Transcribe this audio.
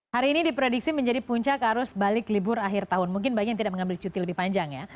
hari ini diprediksi menjadi puncak arus balik libur akhir tahun mungkin bagi yang tidak mengambil cuti lebih panjang ya